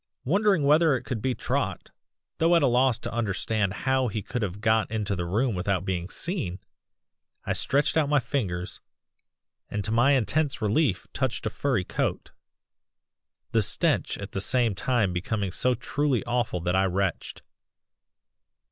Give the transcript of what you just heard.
Wondering whether it could be Trot, though at a loss to understand how he could have got into the room without being seen, I stretched out my fingers and to my intense relief touched a furry coat the stench at the same time becoming so truly awful that I retched.